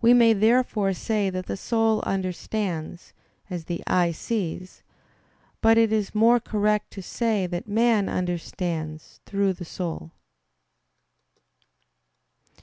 We may therefore say that the soul understands, as the eye sees; but it is more correct to say that man understands through the soul.